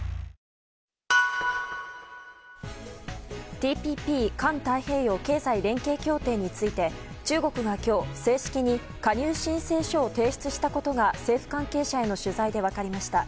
ＴＰＰ・環太平洋経済連携協定について中国が今日、正式に加入申請書を提出したことが政府関係者への取材で分かりました。